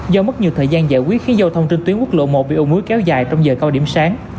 do mất nhiều thời gian giải quyết khiến dâu thông trên tuyến quốc lộ một bị ồn múi kéo dài trong giờ cao điểm sáng